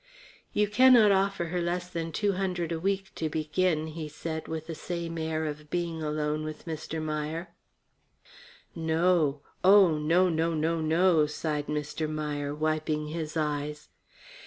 "You cannot offer her less than two hundred a week to begin," he said with the same air of being alone with Mr. Meier. "No, oh, no, no, no, no!" sighed Mr. Meier, wiping his eyes.